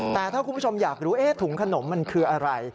แต่ถ้าคุณผู้ชมอยากรู้ถุงขนมมันคืออะไร